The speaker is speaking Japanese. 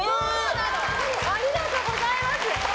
ありがとうございます！